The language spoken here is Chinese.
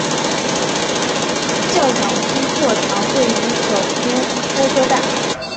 教长区座堂位于首都波哥大。